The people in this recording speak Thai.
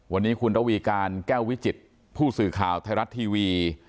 วันนี้คุณระวีการแก้ววิจิตผู้สื่อข่าวไทยรัฐทีวี